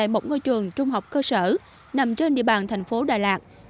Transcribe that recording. tại một ngôi trường trung học cơ sở nằm trên địa bàn thành phố đà lạt